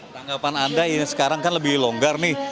tanggapan anda ini sekarang kan lebih longgar nih